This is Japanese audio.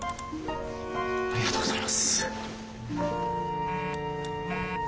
ありがとうございます！